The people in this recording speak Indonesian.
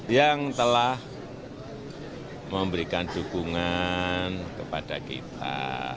yang telah memberikan dukungan kepada kita